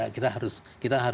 kita harus mulai dengan